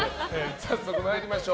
早速参りましょう。